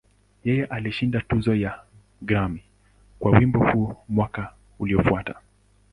Yeye alishinda tuzo ya Grammy kwa wimbo huu mwaka uliofuata.